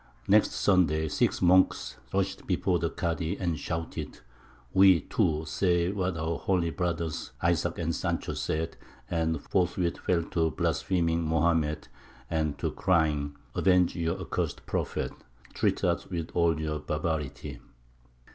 Next Sunday six monks rushed before the Kādy and shouted, "We, too, say what our holy brothers Isaac and Sancho said," and forthwith fell to blaspheming Mohammed, and to crying, "Avenge your accursed Prophet! Treat us with all your barbarity!"